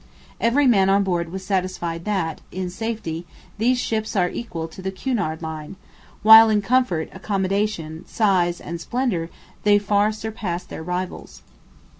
Every man on board was satisfied that, in safety, these ships are equal to the Cunard line; while in comfort, accommodation, size, and splendor they far surpass their rivals.